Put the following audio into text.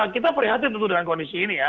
kita prihatin tentu dengan kondisi ini ya